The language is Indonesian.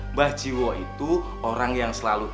mbah jiwo itu orang yang selalu